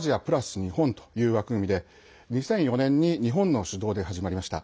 日本という枠組みで２００４年に日本の主導で始まりました。